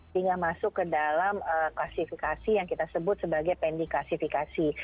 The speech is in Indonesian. tinggal masuk ke dalam klasifikasi yang kita sebut sebagai pending klasifikasi